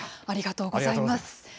ありがとうございます。